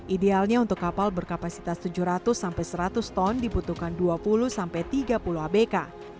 idealnya untuk kapal berkapasitas tujuh ratus sampai seratus ton dibutuhkan dua puluh tiga puluh abk